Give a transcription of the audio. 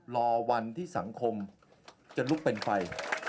รอวันที่สังคมจะลุกเป็นไป